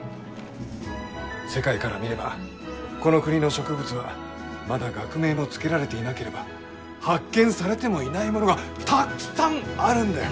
世界から見ればこの国の植物はまだ学名も付けられていなければ発見されてもいないものがたっくさんあるんだよ！